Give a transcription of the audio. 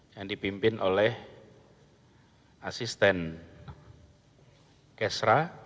yang dipimpin oleh asisten kesra